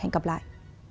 hẹn gặp lại